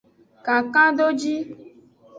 Kankandoji.